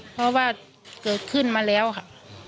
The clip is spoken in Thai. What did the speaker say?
เพราะว่าเกิดขึ้นมาแล้วค่ะ